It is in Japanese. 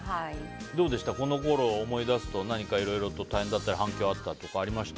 このころを思い出すと何かいろいろと大変だったり反響があったりとかありました？